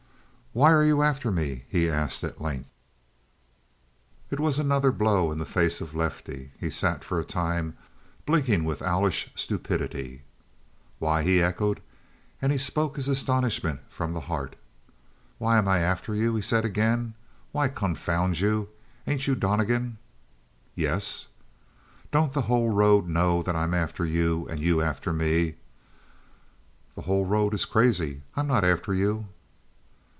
"Why are you after me?" he asked at length. It was another blow in the face of Lefty. He sat for a time blinking with owlish stupidity. "Why?" he echoed. And he spoke his astonishment from the heart. "Why am I after you?" he said again. "Why, confound you, ain't you Donnegan?" "Yes." "Don't the whole road know that I'm after you and you after me?" "The whole road is crazy. I'm not after you."